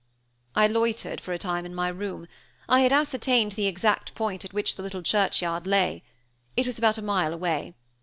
I loitered for a time in my room. I had ascertained the exact point at which the little churchyard lay. It was about a mile away.